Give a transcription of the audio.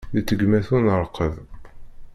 Di tegmat ur nrekkeḍ.